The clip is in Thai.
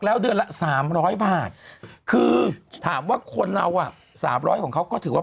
แล้วเดือนละ๓๐๐บาทคือถามว่าคนเราอ่ะ๓๐๐ของเขาก็ถือว่า